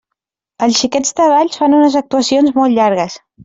Els Xiquets de Valls fan unes actuacions molt llargues.